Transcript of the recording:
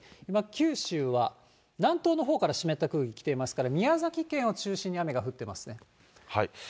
九州は南東のほうから湿った空気来ていますから、宮崎県を中心に雨が降っていますね。